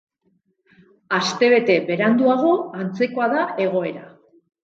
Astebete beranduago antzekoa da egoera.